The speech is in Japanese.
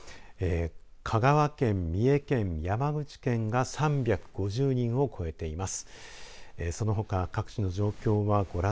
香川県、三重県、山口県が３５０人を超えています。